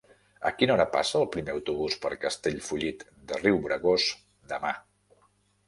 A quina hora passa el primer autobús per Castellfollit de Riubregós demà?